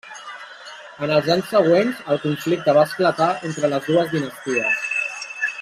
En els anys següents el conflicte va esclatar entre les dues dinasties.